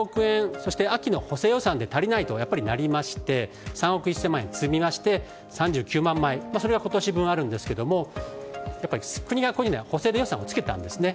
そして、秋の補正予算で足りないということになりまして３億１０００万円を積み増して３９万枚それが今年あるんですが国が補正予算をつけたんですね。